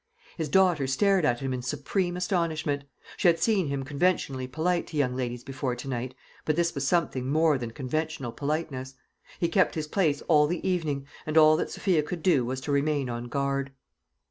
His daughter stared at him in supreme astonishment. She had seen him conventionally polite to young ladies before to night, but this was something more than conventional politeness. He kept his place all the evening, and all that Sophia could do was to remain on guard.